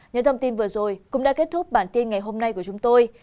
những thông tin vừa rồi cũng đã kết thúc bản tin ngày hôm nay của chúng tôi